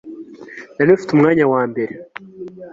narimfite umwanya wa mbere